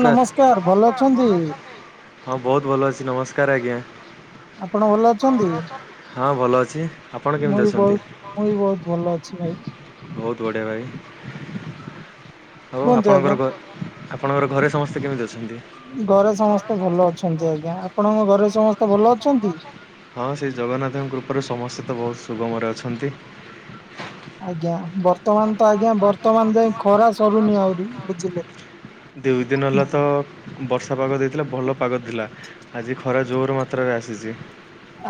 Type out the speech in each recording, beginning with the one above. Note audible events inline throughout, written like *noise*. ହଁ ବହୁତ ଭଲ ଅଛି, ନମସ୍କାର ଆଜ୍ଞା। ହଁ ଭଲ ଅଛି, ଆପଣ କେମିତି ଅଛନ୍ତି? ଭାଇ *unintelligible* ବହୁତ ବଢ଼ିଆ ଭାଇ ଆଉ ଆପଣଙ୍କର? ଆପଣଙ୍କର ଘରେ ସମସ୍ତେ କେମିତି ଅଛନ୍ତି? ଆପଣଙ୍କ ଘରେ ସମସ୍ତେ ଭଲ ଅଛନ୍ତି? ହଁ, ସେଇ ଜଗନ୍ନାଥଙ୍କ କୃପାରୁ ସମସ୍ତେ ତ ବହୁତ ସୁଗମରେ ଅଛନ୍ତି। ଆଜ୍ଞା, ବ ଆଜ୍ଞା, ବର୍ତ୍ତମାନ ଯାଇ ଖରା ସରୁନି ଆହୁରି, ବୁଝିଲେ ଦୁଇ ଦିନ ହେଲା ତ ବର୍ଷା ପାଗ ଦେଇଥିଲା, ଭଲ ପାଗ ଥିଲା। ଆଜି ଖରା ଜୋର ମାତ୍ରାରେ ଆସିଛି।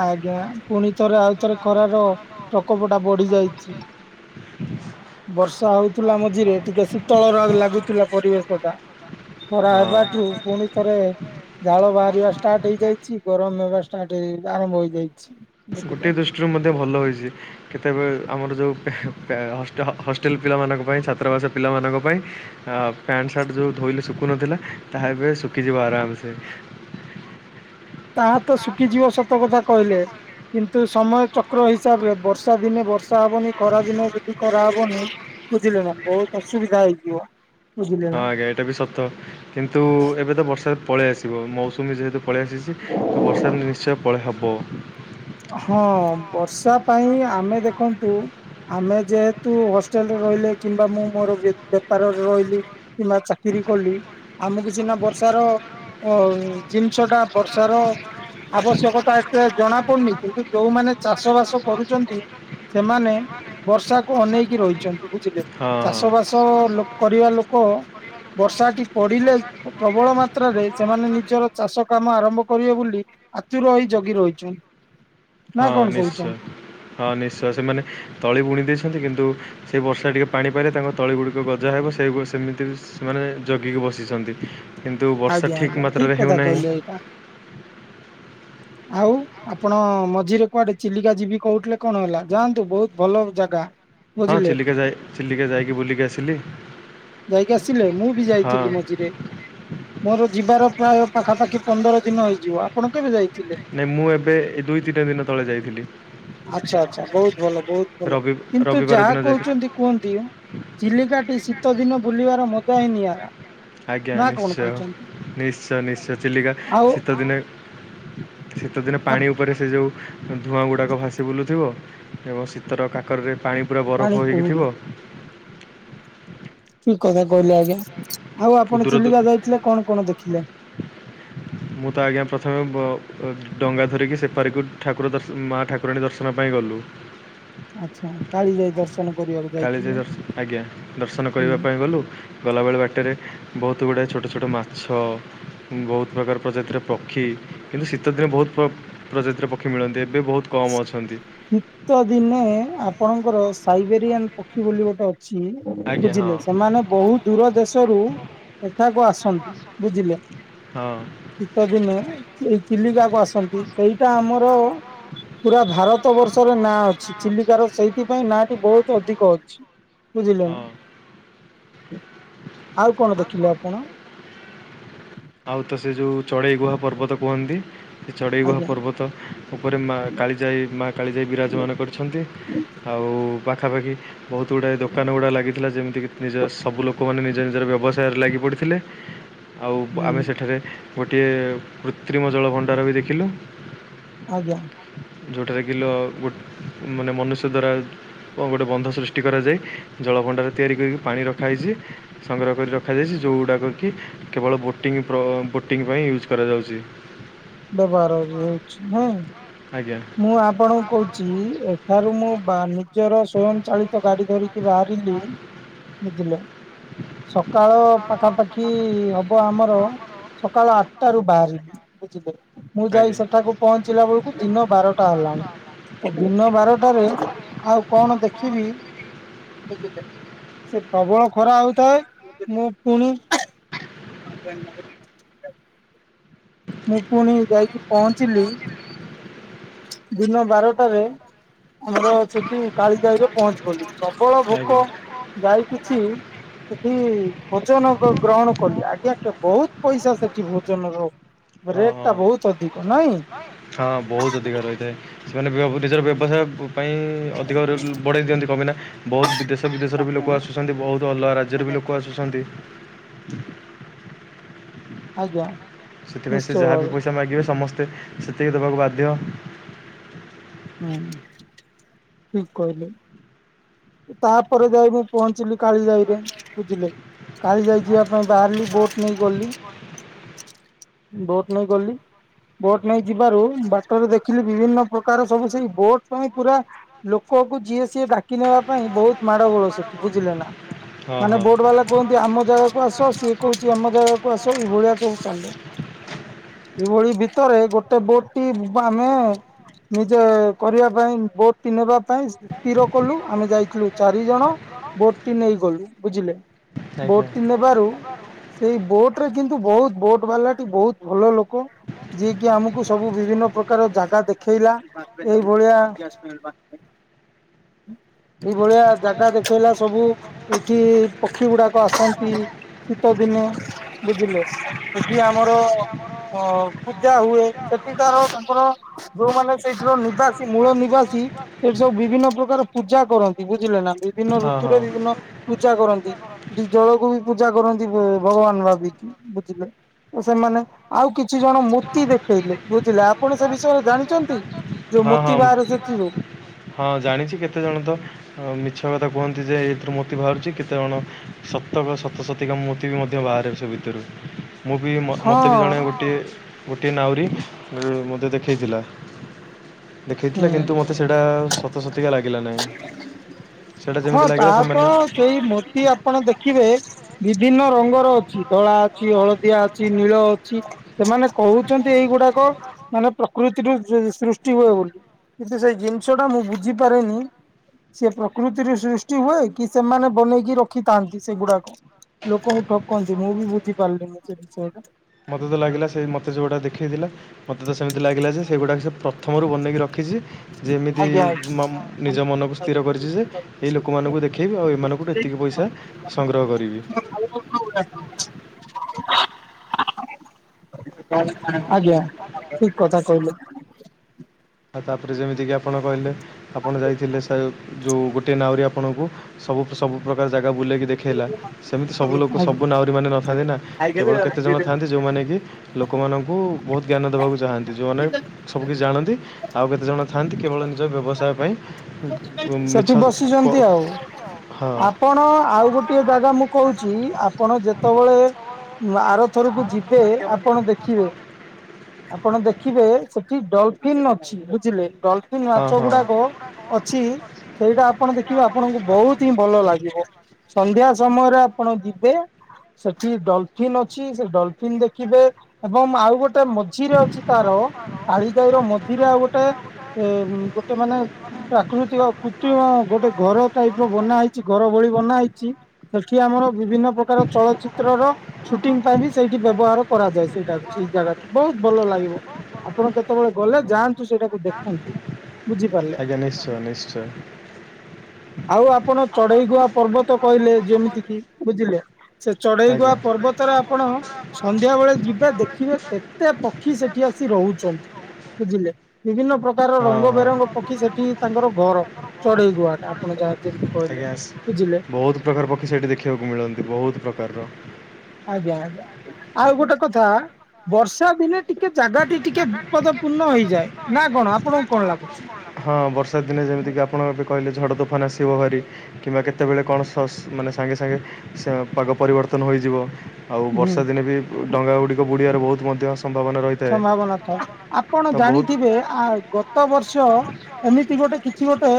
ଆଜ୍ଞା ପୁଣି ଥରେ ଆଉ ଥରେ ଖରାର ପ୍ରକୋପ ଟା ବଢି ଯାଇଛି। ବର୍ଷା ହଉଥିଲା ମଝିରେ, ଟିକେ ଶୀତଳର ଲାଗୁଥିଲା ପରିବେଶ ଟା ଖରା ହେବାଠୁ ପୁଣି ରେ ଝାଳ ବାହାରିବା ଷ୍ଟାର୍ଟ ହେଇଯାଇଛି, ଗରମ ହେବା ଷ୍ଟାର୍ଟ ହେଇ ଆରମ୍ଭ ହେଇଯାଇଛି। ଗୋଟିଏ ଦୃଷ୍ଟିରୁ ମଧ୍ୟ ଭଲ ହୋଇଛି, କେତେବେଳେ ଆମର ଯେଉଁ ହଷ୍ଟେଲ ପିଲାମାନଙ୍କ ପାଇଁ, ଛାତ୍ରାବାସ ପିଲାମାନଙ୍କ ପାଇଁ, ପ୍ୟାଣ୍ଟ ସାର୍ଟ ଯେଉଁ ଧୋଇଲେ ଶୁଖୁ ନଥିଲା, ତାହା ଏବେ ଶୁଖିଯିବ ଆରାମସେ ତାହା ତ ଶୁଖିଯିବ ସତ କଥା। କହିଲେ, କିନ୍ତୁ ସମୟ ଚକ୍ର ହିସାବରେ ବର୍ଷା ଦିନେ ବର୍ଷା ହବନି, ଖରାଦିନ ଯଦି କରାହବନି, ବୁଝିଲେ ନା, ବହୁତ ଅସୁବିଧା ହେଇଯିବ। ହଁ ଆଜ୍ଞା, ଏଇଟା ବି ସତ କିନ୍ତୁ ଏବେ ତ ବର୍ଷାରେ ପଳେଇ ଆସିବ। ମୌସୁମୀ ଯେହେତୁ ପଳେଇ ଆସିଛି ତ ବର୍ଷା ନିଶ୍ଚୟ ପଳେଇ ହେବ। ହଁ ବର୍ଷା ପାଇଁ ଆମେ ଦେଖନ୍ତୁ, ଆମେ ଯେହେତୁ ହ ରହିଲେ କିମ୍ବା ମୁଁ ମୋର ବେପାର ରହିଲି କିମ୍ବା ଚାକିରି କଲି, ଆମକୁ ସିନା ବର୍ଷାର ଅ ଜିନିଷ ଟା ବର୍ଷାର ଆବଶ୍ୟକତା ଏତେ ଜଣା କିନ୍ତୁ ଯୋଉମାନେ ଚାଷ ବାସ କରୁଛନ୍ତି? ସେମାନେ ବର୍ଷାକୁ ଅନେଇକି ରହିଛନ୍ତି, ବୁଝିଲେ, ଚାଷ ବାସ କରିବା ଲୋକ ବର୍ଷାଟି ପଡିଲେ ପ୍ରବଳ ମାତ୍ରାରେ ସେମାନେ ନିଜର ଚାଷ କାମ ଆରମ୍ଭ କରିବେ ବୋଲି, ଆଚୁର ହେଇ ଜଗି ରହିଛନ୍ତି। ହଁ ନିଶ୍ଚୟ, ହଁ ନିଶ୍ଚୟ, ସେମାନେ ତଳି ବୁଣି ଦେଇଛନ୍ତି, କିନ୍ତୁ ସେଇ ବର୍ଷା ଟିକେ ପାଣି ପାଇଲେ, ତାଙ୍କ ତଳି ଗୁଡ଼ିକ ଗଜା ହେବ, ସେ ସେମିତି ବି ସେମାନେ ଜଗି ବସିଛନ୍ତି। କିନ୍ତୁ ବର୍ଷା ଠିକ ମାତ୍ରାରେ ହେଉନାହିଁ। ଆଉ ଆପଣ ମଝିରେ କୁଆଡେ ଚିଲିକା ଯିବି କହୁଥିଲେ କଣ ହେଲା, ଯାଆନ୍ତୁ ବହୁତ ଭଲ ଜାଗା। ହଁ ଚିଲିକା ଯାଇ, ଚିଲିକା ଯାଇକି, ବୁଲିକି ଆସିଲି। ଯାଇକି ଆସିଲେ, ମୁଁ ବି ଯାଇଥିଲି ମଝିରେ ମୋର ଯିବାର ପ୍ରାୟ ପାଖାପାଖି ପନ୍ଦର ଦିନ ହେଇଯିବ, ଆପଣ କେବେ ଯାଇଥେ ନାଇଁ, ମୁଁ ଏବେ, ଏ ଦୁଇ ତିନି ଦିନ ତଳେ ଯାଇଥିଲି। ଆଚ୍ଛା, ଆଛା, ବହୁତ ଭଲ, ବହୁତ ଭଲ କିନ୍ତୁ ଯାହା କହୁଛନ୍ତି କୁହନ୍ତି ଚିଲିକାଟି ଶୀତ ଦିନ ବୁଲିବାର ମଜା ହି ନିଆରା ଆଜ୍ଞା ନିଶ୍ଚୟ, ନିଶ୍ଚୟ ନିଶ୍ଚୟ, ଚିଲିକା ଶୀତ ଦିନେ ଶୀତ ଦିନ ପାଣି ଉପରେ ସେ ଯୋଉ ଧୂଆଁ ଗୁଡ଼ାକ ଭାସି ବୁଲୁଥିବ ପାଣି ପୁରା ବରଫ ହୋଇକି ଥିବ। ଠିକ କଥା କହିଲେ ଆଜ୍ଞା ଆଉ ଆପଣ ଚିଲିକା ଯାଇଥିଲେ କଣ କଣ ଦେଖିଲେ? ଡଙ୍ଗା ଧରିକି ସେପାରିକୁ ଠାକୁର ଦର୍ଶ ମା ଠାକୁରାଣୀ ଦର୍ଶନ ପାଇଁ ଗଲୁ। ଆଚ୍ଛା କାଳି ଯାଇ ଦର୍ଶ କାଳି ଯାଇ ଦର୍ଶ ଆଜ୍ଞା ଦର୍ଶନ କରିବା ପାଇଁ ଗଲୁ ଗଲାବେଳେ ବାଟରେ ବହୁତ ଗୁଡ଼ାଏ ଛୋଟ ଛୋଟ ମାଛ ପ୍ରଜାତିର ପକ୍ଷୀ ମିଳନ୍ତି। ଶୀତ ଦିନେ ଆପଣଙ୍କର ସାଇବେରିଆନ ପକ୍ଷୀ ବୋଲି ଗୋଟେ ଅଛି। ବୁଝିଲେ ସେମାନେ ବହୁ ଦୂର ଦେଶରୁ ଏଠାକୁ ଆସନ୍ତି ବୁଝିଲେ? ଶୀତ ଦିନେ ଏଇ ଚିଲିକାକୁ ଆସନ୍ତି ସେଇଟା ଆମର ପୁରା ଭାରତ ବର୍ଷରେ ନା ଅଛି ଚିଲିକାର ସେଇଥିପାଇଁ ନାଟି ବହୁତ ଅଧିକ ଅଛି। ବୁଝିଲେ ଆଉ କଣ ଦେଖିଲେ ଆପଣ? ଆଉ ତ ସେ ଯୋଉ ଚଢେଇ ଗୁହା ପର୍ବତ କୁହନ୍ତି। ସେ ଚଢ଼େଇ ଗୁହା ପର୍ବତ ଉପରେ ମା କାଳିଜାଇ ମା କାଳିଜାଇ ବିରାଜମାନ କରିଛନ୍ତି ଆଉ ପାଖାପାଖି ବହୁତ ଦୋକାନ ଗୁଡ଼ା ଲାଗିଥିଲା ଯେମିତିକି ନିଜ ସବୁ ଲୋକମାନେ ନିଜ ନିଜର ବ୍ୟବସାୟରେ ଲାଗି ପଡ଼ିଥିଲେ ଆଉ ଆମେ ସେଠାରେ ଗୋଟିଏ କୃତ୍ରିମ ଜଳ ଭଣ୍ଡାର ବି ଦେଖିଲୁ। ଆଜ୍ଞା। ଯେଉଁଟାରେ କିଲୋ ମାନେ ମନୁଷ୍ୟ ଦ୍ଵାରା ଗୋଟେ ବନ୍ଧ ସୃଷ୍ଟି କରାଯାଏ ଜଳଭଣ୍ଡାର ତିଆରି କରିକି ପାଣି ରଖାହାଇଛି ସଂଗ୍ରହ କରି ରଖାଯାଇଛି। ଯେଉଁଗୁଡ଼ାକ କି କେବଳ ବୋଟିଂ ବୋଟିଂ ପାଇଁ ୟୁଜ୍ କରାଯାଉଛି। ବ୍ୟବହାର ହୋଉଛି ହଁ। ମୁଁ ଆପଣଙ୍କୁ କହୁଛି ଏଠାରୁ ମୁଁ ନିଜର ସ୍ଵୟଂ ଚାଳିତ ଗାଡି ଧରିକି ବାହାରିଲି ବୁଝିଲେ? ସକାଳ ପାଖାପାଖି ହବ ଆମର ସକାଳ ଆଠଟାରୁ ବାହାରିଲି ବୁଝିଲେ ମୁଁ ଯାଇ ସେଠାକୁ ପହଞ୍ଚିଲା ବେଳକୁ ଦିନ ବାରଟା ହେଲାଣି ଦିନ ବାରଟାରେ ଆଉ କଣ ଦେଖିବି? ସେ ପ୍ରବଳ ଖରା ହଉଥାଏ ମୁଁ ପୁଣି ଆ *inaudible* ମୁଁ ପୁଣି ଯାଇକି ପହଞ୍ଚିଲି ଦିନ ବାରଟାରେ। ଆମର ସେଠି କାଳି ଯାଇରେ ପହଞ୍ଚିିଛନ୍ତି ପ୍ରବଳ ଭୋକ ଯାଇ କିିଛି ସେଠି ଭୋଜନ ଗ୍ରହଣ କଲି ଆଜ୍ଞା ବହୁତ ପଇସା ସେଠି ଭୋଜନ ର ହଁ ହଁ ହଁ ବହୁତ ଅଧିକ ରହିଥାଏ। ମାନେ ନିଜର ବ୍ୟବସାୟ ପାଇଁ ଅଧିକ ବଢ଼େଇ ଦିଅନ୍ତି କମାଇ ନା ବହୁତ ଦେଶ ବିଦେଶରେ ବି ଲୋକ ଆସୁଛନ୍ତି ବହୁତ ଅଲଗା ରାଜ୍ୟରେ ଲୋକ ଆସୁଛନ୍ତି। ଆଜ୍ଞା। ସେଥିପାଇଁ ସେ ଯାହାବି ପଇସା ମାଗିବେ ସମସ୍ତେ ସେତିକି ଦେବାକୁ ବାଧ୍ୟ। ହୁଁ ଠିକ କହିଲୁ। ତାପରେ ଯାଇ ମୁଁ ପହଞ୍ଚିଲି କାଳି ଯାଇରେ ବୁଝିଲେ? କାଳି ଯାଇ ଯିବା ପାଇଁ ବାହାରିଲି ବୋଟ ନେଇ ଗଲି। ବୋଟ ନେଇ ଗଲି। ବୋଟ ନେଇ ଯିବାରୁ ବାଟରେ ଦେଖିଲି ବିଭିନ୍ନ ପ୍ରକାର ସବୁ ସେଇ ବୋଟ ପାଇଁ ପୁରା ଲୋକ ପାଖକୁ ଯିଏ ସିଏ ଡାକି ନେବା ପାଇଁ ବହୁତ ମାଡ ଗୋଳ ସେଠି ବୁଝିଲେ ନା ମାନେ ବୋଟ ବାଲା କୁହନ୍ତି ଆମ ଜାଗାକୁ ଆସ ସିଏ କହୁଛି ଆମ ଜାଗାକୁ ଆସ ଏଭଳିଆ ସବୁ ଚାଲେ ଏଭଳି ଭିତ ଭିତରେ ଗୋଟେ ବୋଟ ଟି ଆମେ ନିଜେ କରିବା ପାଇଁ ବୋଟ ଟି ନେବା ପାଇଁ ସ୍ଥିର କଲୁ ଆମେ ଯାଇଥିଲୁ ଚାରି ଜଣ ବୋଟ ଟି ନେଇ ଗଲୁ ବୁଝିଲେ? ବୋଟ ଟି ନେବାରୁ ସେଇ ବୋଟ ରେ କିନ୍ତୁ ବହୁତ ବୋଟ ବାଲାଟି ବହୁତ ଭଲ ଲୋକ ଯିଏକି ଆମକୁ ସବୁ ବିଭିନ୍ନ ପ୍ରକାର ଜାଗା ଦେଖେଇଲା ଏଇଭଳିଆ *inaudible* ଏଇଭଳିଆ ଜାଗା ଦେଖେଇଲା ସବୁ ଏଇଠି ପକ୍ଷୀ ଗୁଡାକ ଆସନ୍ତି। ଶୀତ ଦିନେ ବୁଝିଲେ ଏଠି ଆମର ଅ ପୂଜା ହୁଏ ସେଠି ତାର ତାଙ୍କର ଯୋଉମାନେ ସେଇଠିର ନିବାସୀ ମୂଳ ନିବାସୀ ଏଠି ସବୁ ବିଭିନ୍ନ ପ୍ରକାର ପୂଜା କରନ୍ତି ବୁଝିଲେ ନା ବିଭିନ୍ନ ଋତୁରେ ବିଭିନ୍ନ ପୂଜା କରନ୍ତି ଜଳକୁ ବି ପୂଜା କରନ୍ତି ଭଗବାନ ଭାବିକି ବୁଝିଲେ ତ ସେମାନେ ଆଉ କିଛି ଜଣ ମୋତି ଦେଖେଇଲେ ବୁଝିଲେ ଆପଣ ସେ ବିଷୟରେ ଜାଣିଛନ୍ତି? ଯୋଉ ମୋତି ବାହାରେ ସେଥିରୁ? ହଁ ଜାଣିଛି। କେତେ ଜଣ ତ ମିଛ କଥା କୁହନ୍ତି ଯେ ଏଥିରୁ ମୋତି ବାହାରୁଛି କେତେ ଜଣ ଶତକ ଶତ ଶତୀକା ମୋତି ବି ମଧ୍ୟ ବାହାରେ ସେ ଭିତରୁ ମୁଁ ବି ମତେ ବି ଜଣେ ଗୋଟେ ଗୋଟିଏ ନାଉରୀ ମୋତେ ଦେଖେଇଥିଲା। ଦେଖାଇଥିଲା କିନ୍ତୁ ମୋତେ ସେଇଟା ସତ ସତିକା ଲାଗିଲା ନାହିଁ। ହଁ ତାହା ତ ଆପଣ ସେଇ ମୋତି ଆପଣ ଦେଖିବେ। ବିଭିନ୍ନ ରଙ୍ଗର ଅଛି ଧଳା ଅଛି, ହଳଦିଆ ଅଛି, ନୀଳ ଅଛି ସେମାନେ କହୁଛନ୍ତି ଏଇଗୁଡାକ ମାନେ ପ୍ରକୃତିରୁ ସୃଷ୍ଟି ହୁଏ ବୋଲି। କି ସେଇ ଜିନିଷ ଟା ମୁଁ ବୁଝିପାରେନି ସେ ପ୍ରକୃତ୍ ସୃଷ୍ଟି ହୁଏ କି ସେମାନେ ବନେଇକି ରଖିଥାନ୍ତି ସେଗୁଡାକ? ଲୋକଙ୍କୁ ଠକନ୍ତି ମୁଁ ବି ବୁଝି ପାରିଲିନି ସେ ବିଷୟରେ। ମତେ ତ ଲାଗିଲା ସେଇ ମତେ ଯୋଉଗୁଡା ଦେଖେଇଥିଲା, ମତେ ତ ସେମିତି ଲାଗିଲା ଯେ ସେଗୁଡାକ ସେ ପ୍ରଥମରୁ ବନେଇକି ର ରଖିଛି ଯେମିତି ନିଜ ମନକୁ ସ୍ଥିର କରିଛି ଯେ ଏଇ ଲୋକମାନଙ୍କୁ ଦେଖେଇବି ଆଉ ଏମାନେ ‌ଲୋକଠୁ ଏତିକି ପଇସା, ସଂଗ୍ରହ କରିବି। ଆଜ୍ଞା ଠିକ କଥା କହିଲେ। ତାପରେ ଯେମିତିକି ଆପଣ କହିଲେ, ଆପଣ ଯାଇଥିଲେ ସାଇ ଯୋଉ ଗୋଟେ ନାଉ ରି ଆପଣଙ୍କୁ, ସବୁ ସବୁ ପ୍ରକାର ଜାଗା ଜାଗା ବୁଲେଇକି ଦେଖେଇଲା, ସେମିତି ସବୁ ଲୋକ ସବୁ ନାଉରୀମାନେ ନଥାନ୍ତି ନା କେବଳ କେତେଜଣ ଥାଆନ୍ତି ଯେଉଁମାନେ କି ଲୋକମାନଙ୍କୁ ବହୁତ ଜ୍ଞାନ ଦେବାକୁ ଚାହାନ୍ତି, ଯେଉଁମାନେ ସବୁକିଛି ଜାଣନ୍ତି ଆଉ କେତେଜଣ ଥାଆନ୍ତି କେବଳ ନିଜ ବ୍ୟବସାୟ ପାଇଁ ସେଠି ବସିଚନ୍ତି ଆଉ। ଆପଣ ଆଉ ଗୋଟିଏ ଜାଗା ମୁଁ କୋହୁଚି ଆପଣ ଯେତେବେଳେ ଆରଥର ଥରକୁ ଯିବେ ଆପଣ ଦେଖିବେ, ଆପଣ ଦେଖିବେ ସେଠି ଡ ଡଲଫିନ ଅଛି ବୁଝିଲେ ଡଲଫିନ ମାଛ ଗୁଡ଼ାକ ଅଛି ସେଇଟା ଆପଣ ଦେଖିବେ ଆପଣଙ୍କୁ ବହୁତ ହିଁ ଭଲ ଲାଗିବ। ସନ୍ଧ୍ୟା ସମୟରେ ଆପଣ ଯିବେ ସେଠି ଡଲଫିିନ ଅଛି ସେ ଡଲଫିିନ ଦେଖିବେ ଏବଂ ଆଉ ଗୋଟେ ଗୋଟେ ମଝିରେ ଅଛି ତାର କାଳିଜାଈ ର ମଝିରେ ମାନେ ଗୋଟେ ପ୍ରାକୃତିକ କୃତ୍ରିମ ଗୋଟେ ଘର ଟାଇପର ବନା ହେଇଛି ଘର ଭଳି ବନା ହେଇଛି ଘର ବିଭିନ୍ନ ପ୍ରକାର ଚଳଚିତ୍ରର ସୁଟିଙ୍ଗ ପାଇଁ ବି ସେଇଟାକୁ ବ୍ୟବହାର କରାଯାଏ ସେଇ ଜାଗାଟି କୁ। ଭଲ ଲାଗିବ, ଆପଣ କେତେବେଳେ ଗଲେ ଯାଆନ୍ତୁ ସେଟାକୁ ଦେଖନ୍ତୁ। ନିଶ୍ଚୟ ନିଶ୍ଚୟ। ଆଉ ଆପଣ ଚଢେଇ ଗୁଆଁ ପର୍ବତ କହିଲେ ଯେମିତି କି, ବୁଝିଲେ। ସେ ଚଢେଇକୁୁଆ ପର୍ବତରେ ଆପଣ, ସନ୍ଧ୍ୟା ବେଳେ ଯିବେ ଦେଖିବେ କେତେ ପକ୍ଷୀ ସେଠି ଆସି ରହୁଛନ୍ତି, ବୁଝିଲେ ବିଭିନ୍ନ ପ୍ରକା ରଙ୍ଗ ବେରଙ୍ଗ ପକ୍ଷୀ ସେଠି ତାଙ୍କର ଘର, ଚଢେଇ ଗୁଆଟା। ଆଜ୍ଞା, ବହୁତ ପ୍ରକାର ପକ୍ଷୀ ସେଇଠି ଦେଖିବାକୁ ମିଳନ୍ତି, ବହୁତ ପ୍ରକାରର। ଆଜ୍ଞା, ଆଉ ଗୋଟେ କଥା ବର୍ଷା ଦିନେ ଟିକେ *unintelligible* ଆପଣ କହିଲେ ଝଡ଼ ତୋଫାନ ଆସିବ ଭାରି, କିମ୍ବା କେତେବେଳେ କଣ ସାଙ୍ଗେ ସାଙ୍ଗେ ପାଗ ପରି ପତ୍ତନ ହୋଇଯିବ, ଆଉ ବର୍ଷା ଦିନେ ବି, ଡଙ୍ଗାଗୁଡ଼ିକ ବୁଡ଼ିବାରେ ବହୁତ ସମ୍ଭବନା ରହିଥାଏ। ଜଗନ୍ନାଥ, ଆପଣ ଜାଣିଥିବେ ଆ ଗତ ବର୍ଷ ଏମିତି ଗୋଟେ କିଛି ଗୋଟେ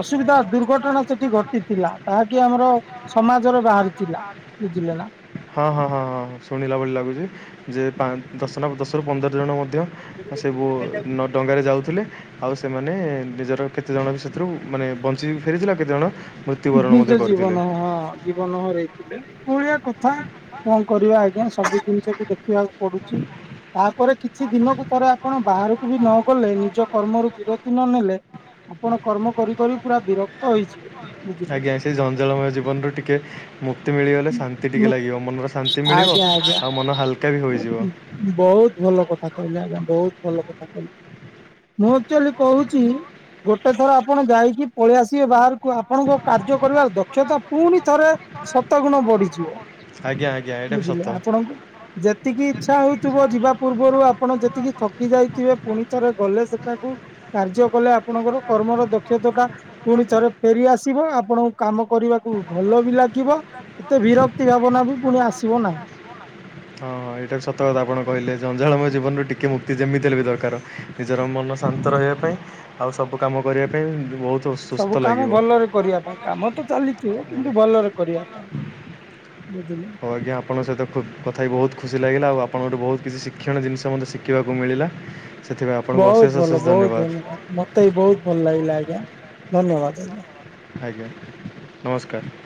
ଅସୁବିଧା ଦୁର୍ଘଟଣା ସେଠି ଘଟିଥିଲା, ତାହାକି ଆମର, ସମାଜର ବାହାରି ଥିଲା। ହଁ ହଁ ହଁ ହଁ ଶୁଣିଲା ଭଳି ଲାଗୁଛି ଯେ ପା ଦଶ ଦଶରୁ ପନ୍ଦର ଜଣ ମଧ୍ୟ ସେବୁ ଡ଼ଙ୍ଗା ରେ ଯାଉଥିଲେ ଆଉ ସେମାନେ, ନିଜର କେତେ ଜଣ ସେଥିରୁ ମାନେ ବଞ୍ଚିକି ଫେରିଥିଲେ, ଆଉ କେତେ ଜଣ ନିଜ ଜୀବନ ହଁ ଜୀବନ ହରାଇଛି। ଏ ଭଳିଆ କଥା, କଣ କରିବା ଆଜ୍ଞା ସବୁ ଜିନିଷକୁ ଦେଖିବାକୁ ପଡୁଛି ତାପରେ କିଛି ଦିନକୁ ଥରେ ଆପଣ ବାହାରକୁ ବି ନ ଗଲେ ନିଜ କର୍ମରୁ ବିରତି ନ ନେଲେ ଆପଣ କର୍ମ କରି କରି ବିରକ୍ତ ହେଇଯିବେ। ଆଜ୍ଞା ସେ ଜଂଜଳମୟ ଜୀଵନ ରୁ ଟିକେ ମୁକ୍ତି ମିଳିଗଲେ ଶାନ୍ତି ଟିକେ ଲାଗିବ ମନର ଶାନ୍ତି ମିଳିବ ଆଉ ମନ ହାଲ ବହୁତ ଭଲ କଥା କହିଲେ ଆଜ୍ଞା ବହୁତ ଭଲ କଥା ମୁଁ ଆକ୍ଚଆଲି କହୁଛି, ଗୋଟେ ଥର ଆପଣ ଯାଇକି ପଳେଇ ଆସିବେ ବାହାରକୁ ଆପଣଙ୍କ କାର୍ଯ୍ୟ କରିବାର ଦକ୍ଷତା ପୁଣି ଥରେ ସତଗୁଣ ବଢିଯିବ ବୁଝିଲେ ଆପଣଙ୍କୁ ଯେତିକି ଇଚ୍ଛା ହଉଥିବ ଯିବା ପୂର୍ବରୁ ଆପଣ ଯେତିକି ଥକି ଯାଇଥିବେ, ପୁଣି ଥରେ ଗଲେ ସେଟାକୁ କାର୍ଯ୍ୟ କଲେ, ଆପଣଙ୍କର କର୍ମର ଦକ୍ଷତାଟା ପୁଣି ଥରେ ଫେରିଆ ସିବ ଆପଣ କାମ କରିବାକୁ ଭଲ ବି ଲାଗିବ, ଏତେ ବିରକ୍ତି ଭାବନା ବି ପୁଣି ଆସିବ ନାହି। ହଁ ହଁ ଏଇଟାକୁ ସତ କଥା ଆପଣ କହିଲେ, ଜଞ୍ଜାଳମୟ ଜୀବନରୁ ଟିକେ ମୁକ୍ତି ଯେମିତି ହେଲେ ବି ଦରକାର, ନିଜର ମନ ଶାନ୍ତି ତ ରହିବା ପାଇଁ ଆଉ ସବୁ କାମ କରିବା ପାଇଁ ବହୁତ ସବୁ କାମ ଭଲରେ କରିବା ପାଇଁ କାମ ତ ଚାଲିଥିବ, କିନ୍ତୁ ଭଲରେ କରିବା ପାଇଁ ହଉ ଆଜ୍ଞା ଆପଙ୍କ ସହିତ କଥା ହେଇ ବହୁତ ଖୁସି ଲାଗିଲା, ଆଉ ଆପଣଙ୍କଠୁ ବହୁତ କିଛି ଶିକ୍ଷଣ ଜିନିଷ ମୋତେ ଶିଖିବାକୁ ମିଳିଲା। ବହୁତ ଭଲ ବହୁତ ଧନ୍ୟବାଦ, ମତେ ବି ବହୁତ ଭଲ ଲାଗିଲା ଆଜ୍ଞା ଧନ୍ୟବାଦ ଆଜ୍ଞା। ଆଜ୍ଞା ନମସ୍କାର।